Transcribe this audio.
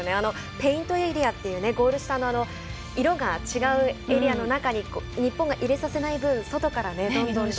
ペイントエリアっていうゴール下の色が違うエリアの中に日本が入れさせない分外からどんどん。